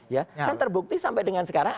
ya kan terbukti sampai dengan sekarang